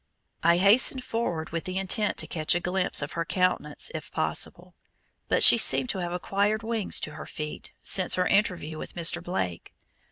I hastened forward with intent to catch a glimpse of her countenance if possible; but she seemed to have acquired wings to her feet since her interview with Mr. Blake.